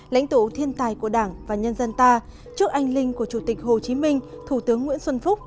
lãnh tụ thiên tài của đảng và nhân dân ta trước anh linh của chủ tịch hồ chí minh thủ tướng nguyễn xuân phúc